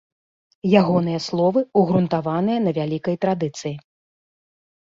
Ягоныя словы ўгрунтаваныя на вялікай традыцыі.